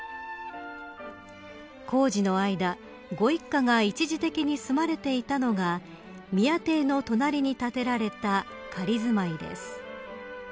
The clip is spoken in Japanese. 工事の間ご一家が一時的に住まわれていたのが宮邸の隣に建てられた仮住まいです。